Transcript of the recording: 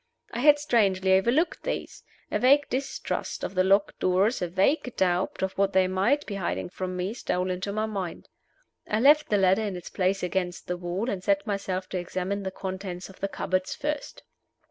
I had strangely overlooked these. A vague distrust of the locked doors a vague doubt of what they might be hiding from me, stole into my mind. I left the ladder in its place against the wall, and set myself to examine the contents of the cupboards first.